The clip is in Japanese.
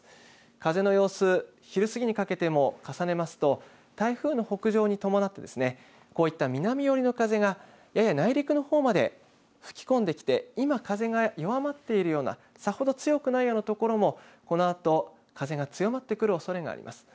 風の様子昼過ぎにかけても重ねますと台風の北上に伴ってですねこういった南寄りの風がやや内陸のほうまで吹き込んできて今、風が弱まっているようなさほど強くないところもこのあと風が強まってくるおそれがあります。